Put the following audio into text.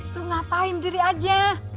lo ngapain diri aja